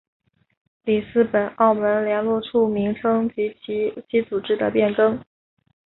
里斯本澳门联络处名称及组织的变更。